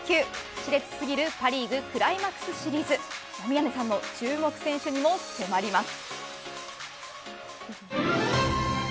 熾烈すぎる、パ・リーグクライマックスシリーズ。宮根さんの注目選手にも迫ります。